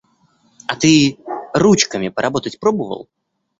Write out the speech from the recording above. А ты ручками поработать пробовал?